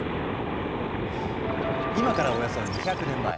今からおよそ２００年前。